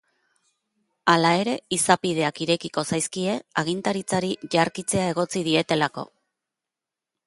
Hala ere, izapideak irekiko zaizkie agintaritzari jarkitzea egotzi dietelako.